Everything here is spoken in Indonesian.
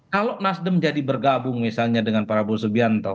kalau nasdem jadi bergabung misalnya dengan prabowo subianto